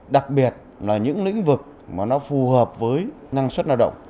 đặc biệt là những lĩnh vực mà nó phù hợp với năng suất lao động